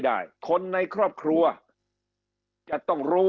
แต่ว่าครอบครัวเป็นหนี้